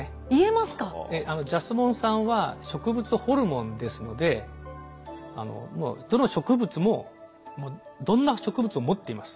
ジャスモン酸は植物ホルモンですのでどの植物もどんな植物も持っています。